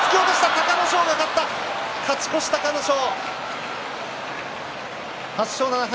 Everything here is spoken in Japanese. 隆の勝が勝った、勝ち越し隆の勝８勝７敗。